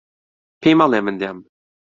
پێی مەڵێ من دێم.